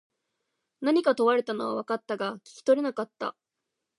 何か問われたのは分かったが、聞き取れなかった。